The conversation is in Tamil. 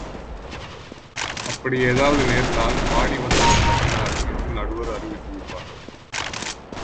அப்படி ஏதாவது நேர்ந்தால், பாடி வந்தவர் தப்பினார் என்று நடுவர் அறிவித்துவிடுவார்.